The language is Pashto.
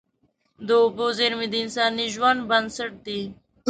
د اوبو زیرمې د انساني ژوند بنسټ دي.